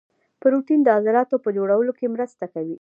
پروټین د عضلاتو په جوړولو کې مرسته کوي